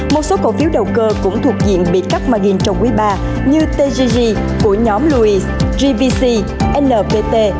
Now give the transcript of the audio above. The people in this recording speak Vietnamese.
một số cổ phiếu đầu cơ cũng thuộc diện bị cắt margin trong quý ba như tgg của nhóm luis gvc nvt